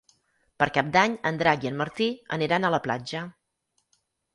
Per Cap d'Any en Drac i en Martí aniran a la platja.